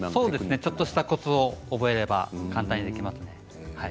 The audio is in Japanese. ちょっとしたコツを覚えれば簡単にできますね。